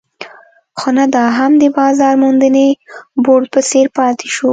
خو نه دا هم د بازار موندنې بورډ په څېر پاتې شو.